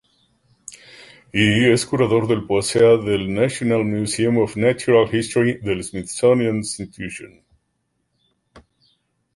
Y, es curador de Poaceae del "National Museum of Natural History" del Smithsonian Institution.